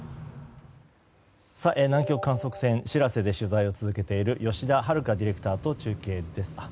南極観測船「しらせ」で取材を続けている吉田遥ディレクターと中継です。